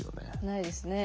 ないですね。